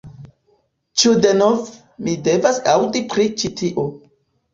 Ĉu denove, mi devas aŭdi pri ĉi tio